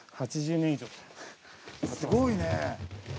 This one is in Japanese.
すごいね。